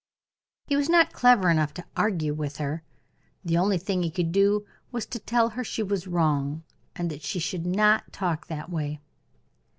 He was not clever enough to argue with her; the only thing he could do was to tell her she was wrong, and that she should not talk that way.